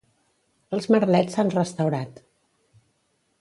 Els merlets s'han restaurat.